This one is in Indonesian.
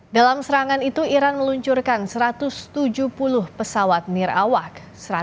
dalam serangan itu iran meluncurkan satu ratus tujuh puluh pesawat nirawak